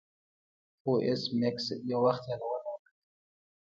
خو ایس میکس یو وخت یادونه وکړه